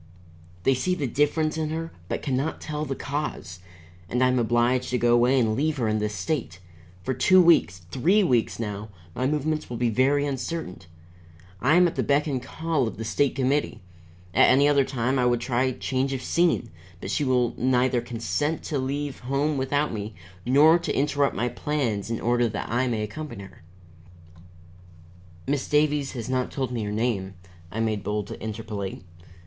They see the difference in her, but can not tell the cause. And I am obliged to go away and leave her in this state. For two weeks, three weeks now, my movements will be very uncertain. I am at the beck and call of the State Committee. At any other time I would try change of scene, but she will neither consent to leave home without me nor to interrupt my plans in order that I may accompany her." "Miss Davies has not told me your name," I made bold to interpolate.